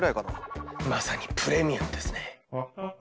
まさにプレミアムですね。